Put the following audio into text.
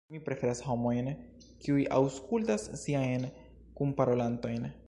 Mi preferas homojn, kiuj aŭskultas siajn kunparolantojn.